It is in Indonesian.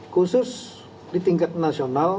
khusus di tingkat nasional